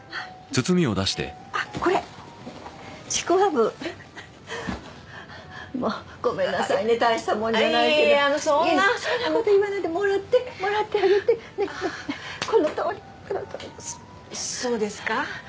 あっこれちくわぶもうごめんなさいね大したもんじゃないえいえいえそんなそもらってもらってあげてねっこのとそうですか？